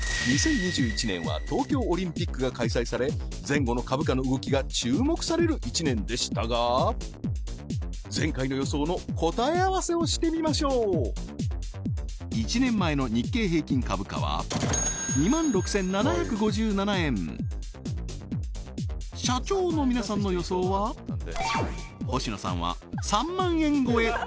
２０２１年は東京オリンピックが開催され前後の株価の動きが注目される一年でしたが前回の予想の答え合わせをしてみましょう１年前の日経平均株価は２万６７５７円社長の皆さんの予想は星野さんは３万円超え